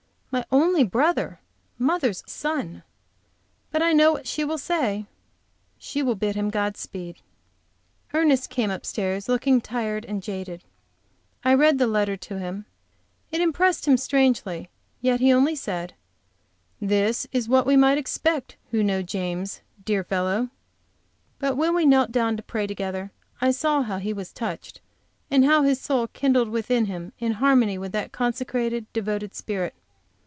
My only brother mother's Son! But I know what she will say; she will him God speed! Ernest came upstairs, looking tired and jaded. I read the letter to him. It impressed him strangely: but he only said, "This is what we might expect, who knew James, dear fellow!" But when we knelt down to pray together, I saw how he was touched, and how his soul kindled within him in harmony with that consecrated, devoted spirit.